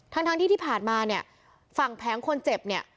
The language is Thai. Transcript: ทั้งทั้งที่ที่ผ่านมาเนี่ยฝั่งแผงคนเจ็บเนี่ย